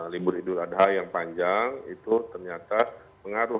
libur idul adha yang panjang itu ternyata pengaruh